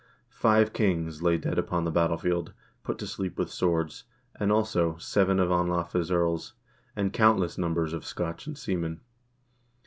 Five kings lay dead upon the battlefield, put to sleep with swords, and, also, seven of Anlafe's earls, and countless numbers of Scotch and seamen.